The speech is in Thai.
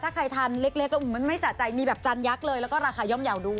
ถ้าใครทานเล็กก็มันไม่สะใจมีแบบจานยักษ์เลยแล้วก็ราคาย่อมเยาว์ด้วย